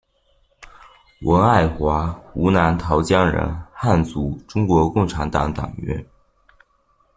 文爱华，湖南桃江人，汉族，中国共产党党员。